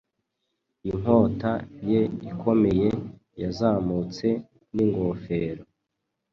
Inkota ye ikomeye yazamutse ningofero